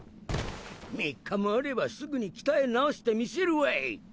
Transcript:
３日もあればすぐに鍛え直してみせるわい。